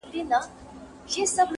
ستا د کیږدۍ له ماښامونو سره لوبي کوي-